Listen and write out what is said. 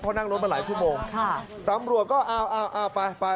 เพราะนั่งรถมาหลายชั่วโมงค่ะตำรวจก็เอาเอาไปไป